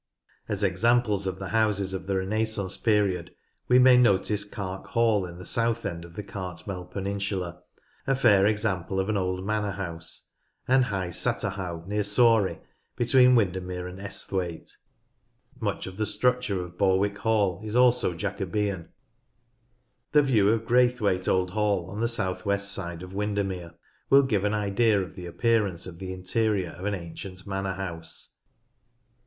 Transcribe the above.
As examples of the houses of the Renaissance period we may notice Cark Hall at the south end of the Cartmel peninsula, a fair example of an old manor house, and High Satterhow near Sawrey, between Windermere and Esthwaite. Much of the structure of Borwick Hall is also Jacobean. The view of Graythwaite Old Hall, on the south west side of Windermere, will give an idea of the appearance of the interior of an ancient manor house.